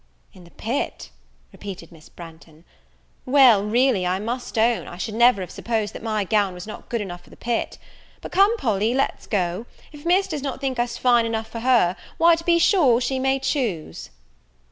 "In the pit," repeated Miss Branghton; "well, really, I must own, I should never have supposed that my gown was not good enough for the pit: but come, Polly, let's go; if Miss does not think us fine enough for her, why to be sure she may choose."